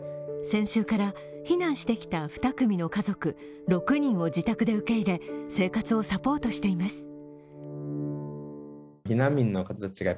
先週から、避難してきた２組の家族６人を自宅で受け入れ生活をサポートしています。